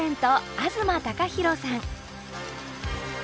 東貴博さん。